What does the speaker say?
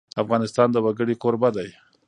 افغانستان د وګړي کوربه دی.